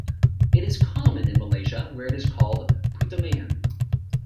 It is common in Malaysia, where it is called "putumayam".